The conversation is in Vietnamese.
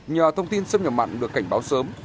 nhờ thông tin sông nhầm mặn được cảnh báo sớm